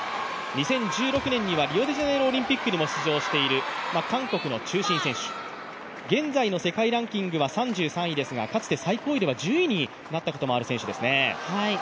２０１６年にはリオデジャネイロオリンピックにも出場している韓国の中心選手、現在の世界ランキングは３３位ですが、かつて最高位では１０位になったことのある選手ですね。